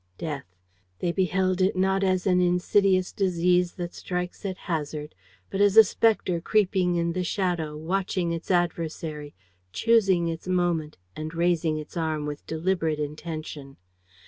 Death! They beheld it, not as an insidious disease that strikes at hazard, but as a specter creeping in the shadow, watching its adversary, choosing its moment and raising its arm with deliberate intention.